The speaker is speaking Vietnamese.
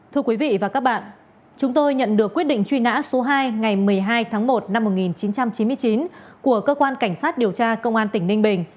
thưa quý vị và các bạn chúng tôi nhận được quyết định truy nã số hai ngày một mươi hai tháng một năm một nghìn chín trăm chín mươi chín của cơ quan cảnh sát điều tra công an tỉnh ninh bình